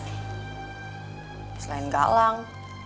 sama gue selain galang